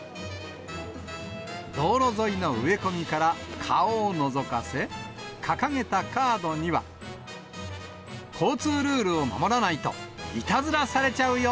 道路沿いの植え込みから顔をのぞかせ、掲げたカードには、交通ルールを守らないといたずらされちゃうよ。